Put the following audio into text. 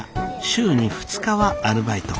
週に２日はアルバイト。